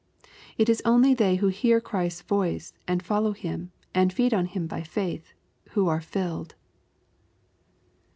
It is only they who hear Christ's voice, and follow Him, and feed on Him by faith, who are "filled.